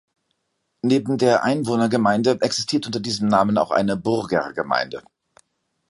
Neben der Einwohnergemeinde existiert unter diesem Namen auch eine Burgergemeinde.